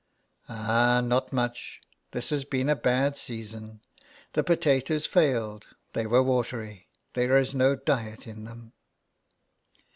" Ah, not much. This has been a bad season. The potatoes failed ; they were watery — there is no diet in them."